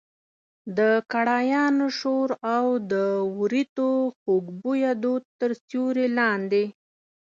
د کړایانو شور او د وریتو خوږ بویه دود تر سیوري لاندې.